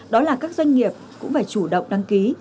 đó là các doanh nghiệp cũng phải chủ động đăng ký